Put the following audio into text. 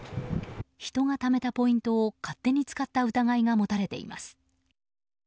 人がためたポイントを勝手に使った疑いが持たれています。